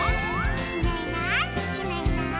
「いないいないいないいない」